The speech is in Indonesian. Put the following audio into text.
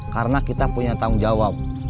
karena kita punya tanggung jawab